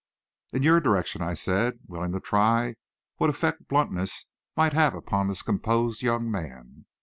"In your direction," I said, willing to try what effect bluntness might have upon this composed young man.